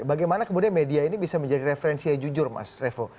bagaimana kemudian media ini bisa menjadi referensi yang jujur mas revo